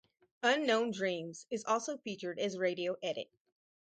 "Unknown Dreams" is also featured as radio edit.